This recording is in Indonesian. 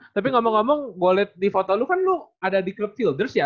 tapi ngomong ngomong gue liat di foto lu kan lu ada di club fielders ya